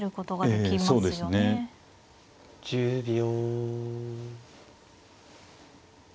１０秒。